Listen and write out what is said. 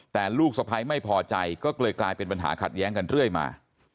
แต่ลูกสะพ้ายไม่พอใจก็เลยกลายเป็นปัญหาขัดแย้งกันเรื่อยมา